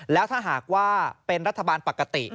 แล้วถ้าหากว่าเป็นรัฐบาลปกติ